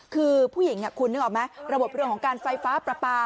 คือผู้หญิงคุณนึกออกไหมระบบเรื่องของการไฟฟ้าประปา